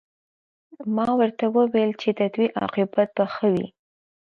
ما ورته وویل چې د دوی عاقبت به څه وي